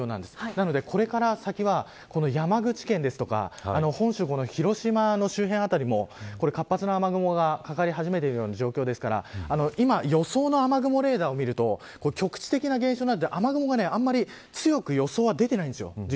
なのでこれから先は山口県ですとか本州の広島の周辺辺りも活発な雨雲がかかり始めている状況ですから今、予想の雨雲レーダーを見ると局地的な現象なので雨雲があまり強く予想は出ていないんです。